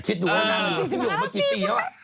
คิดดูว่านาง๔๕ปีแล้ว